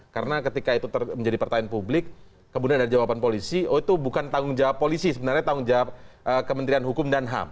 karena ketika itu menjadi pertanyaan publik kemudian ada jawaban polisi oh itu bukan tanggung jawab polisi sebenarnya tanggung jawab kementerian hukum dan ham